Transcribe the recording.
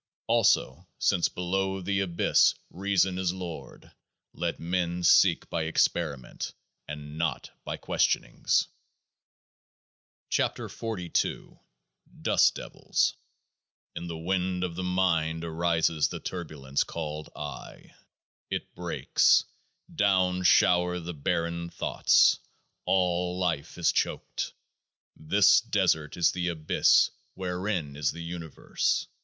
Also, since below the Abyss Reason is Lord, let men seek by experiment, and not by Questionings. 52 KEOAAH MB DUST DEVILS In the wind of the mind arises the turbulence 21 called I. It breaks ; down shower the barren thoughts. All life is choked. This desert is the Abyss wherein is the Uni verse.